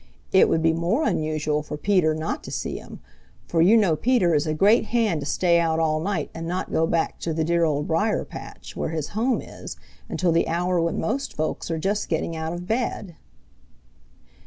It would be more unusual for Peter not to see him, for you know Peter is a great hand to stay out all night and not go back to the dear Old Briar patch, where his home is, until the hour when most folks are just getting out of bed.